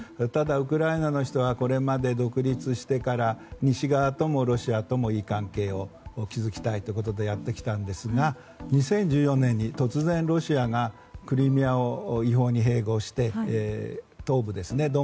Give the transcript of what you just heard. ただウクライナの人はこれまで独立してから西側ともロシアともいい関係を築きたいということでやってきたんですが２０１４年に突然ロシアがクリミアを違法に併合して東部ですね